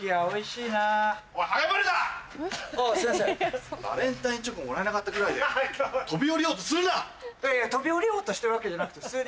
いやいや飛び降りようとしてるわけじゃなくて普通に。